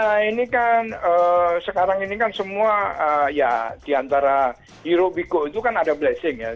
nah ini kan sekarang ini kan semua ya diantara hero biko itu kan ada blessing ya